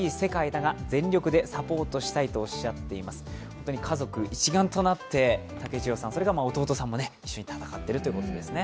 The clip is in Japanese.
本当に家族一丸となって武智代さん、弟さんも一緒に戦っているということですね。